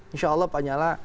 insya allah pak lanyala